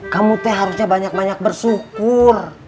kamu tuh harusnya banyak banyak bersyukur